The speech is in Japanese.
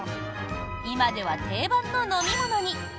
今では定番の飲み物に！